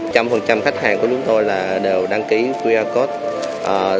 trong phần trăm khách hàng của chúng tôi đều đăng ký qr code